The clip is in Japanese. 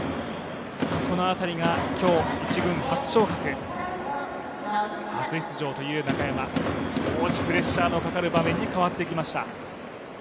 この辺りが今日、１軍初昇格、初出場という中山、少しプレッシャーのかかる場面に変わってきました。